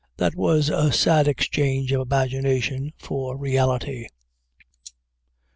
That was a sad exchange of imagination for reality.